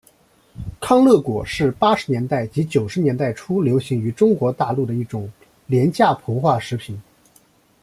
康乐果是八十年代及九十年代初流行于中国大陆一种廉价膨化食品。